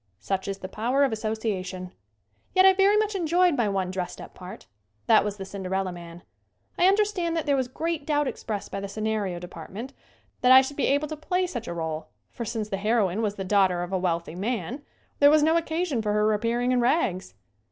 Such is the power of association. Yet I very much enjoyed my one dressed up part. That was "The Cinderella Man." I un derstand that there was great doubt expressed by the scenario department that I should be able to play such a role for, since the heroine was the daughter of a wealthy man, there was no occasion for her appearing in rags.